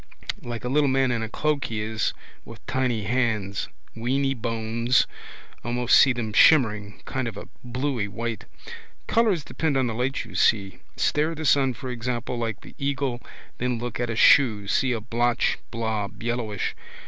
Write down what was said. Like a little man in a cloak he is with tiny hands. Weeny bones. Almost see them shimmering, kind of a bluey white. Colours depend on the light you see. Stare the sun for example like the eagle then look at a shoe see a blotch blob yellowish.